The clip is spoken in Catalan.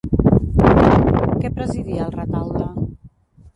Què presidia el retaule?